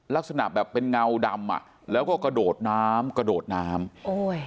ลักษณะแบบเป็นเงาดำอ่ะแล้วก็กระโดดน้ำกระโดดน้ำโอ้ย